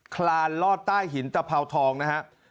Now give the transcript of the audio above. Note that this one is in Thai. คลานลอดใต้หินตะเภาทองนะครับ